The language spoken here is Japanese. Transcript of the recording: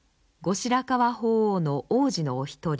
後白河法皇の皇子のお一人。